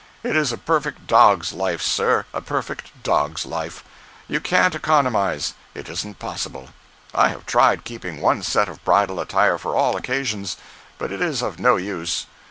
It is a perfect dog's life, sir—a perfect dog's life. You can't economize. It isn't possible. I have tried keeping one set of bridal attire for all occasions. But it is of no use.